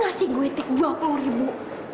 ngasih gue tik dua puluh ribu